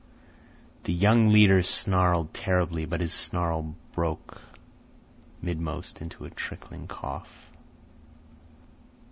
The young leader snarled terribly, but his snarl broke midmost into a tickling cough.